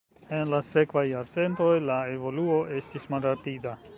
En la sekvaj jarcentoj la evoluo estis malrapida.